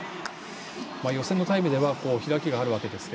予選のタイムでは開きがあるわけですが。